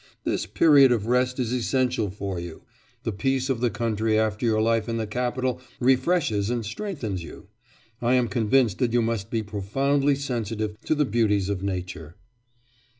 This period of rest is essential for you; the peace of the country after your life in the capital refreshes and strengthens you. I am convinced that you must be profoundly sensitive to the beauties of nature.